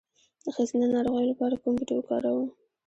د ښځینه ناروغیو لپاره کوم بوټی وکاروم؟